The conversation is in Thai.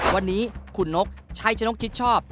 วันนี้คุณนกชัยชนกคิดชอบ